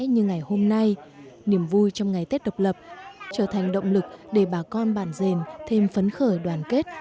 như ngày hôm nay niềm vui trong ngày tết độc lập trở thành động lực để bà con bản dền thêm phấn khởi đoàn kết